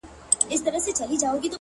پوهه د فرصتونو افق پراخوي